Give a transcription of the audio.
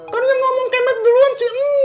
kan yang ngomong kemet duluan si neng